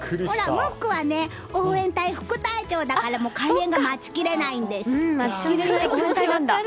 ムックは応援隊副隊長だから開演が待ちきれないんです。